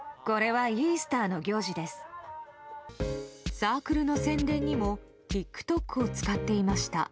サークルの宣伝にもＴｉｋＴｏｋを使っていました。